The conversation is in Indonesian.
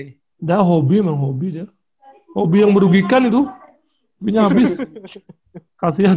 enggak hobi emang hobi hobi yang merugikan itu hobinya abis kasian